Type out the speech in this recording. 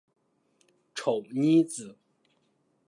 丑妮子。